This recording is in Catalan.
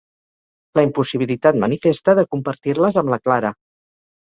La impossibilitat manifesta de compartir-les amb la Clara.